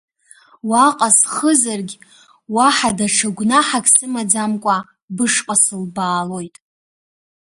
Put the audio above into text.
Уаҟа схызаргь уаҳа даҽа гәнаҳак сымаӡамкәа бышҟа сылбаалоит.